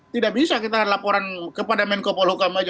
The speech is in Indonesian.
tidak bisa kita laporan kepada menko polhukam aja